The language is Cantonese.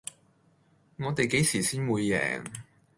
我地幾時先會贏